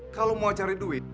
kalau mau cari duit